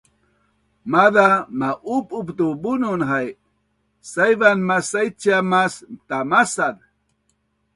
Maaz a ma-ub-ub tu bunun hai saivan masaicia mas tamasaz